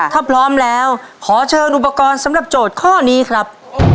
ถ้าพร้อมแล้วขอเชิญอุปกรณ์สำหรับโจทย์ข้อนี้ครับ